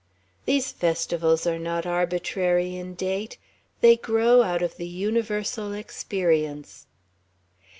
These festivals are not arbitrary in date. They grow out of the universal experience.